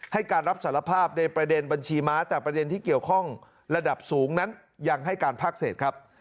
ให้การรับสารภาพในประเด็นบัญชีม้าแต่ประเด็นที่เกี่ยวข้องระดับสูงนั้นยังให้การภาคเศษครับ